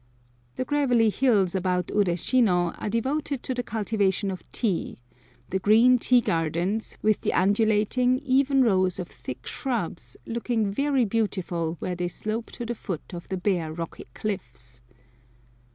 The gravelly hills about Ureshino are devoted to the cultivation of tea; the green tea gardens, with the undulating, even rows of thick shrubs, looking very beautiful where they slope to the foot of the bare rocky cliffs.